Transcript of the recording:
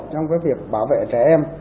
trong cái việc bảo vệ trẻ em